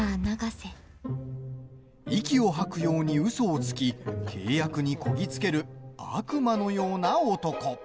息を吐くようにうそをつき契約にこぎ着ける悪魔のような男。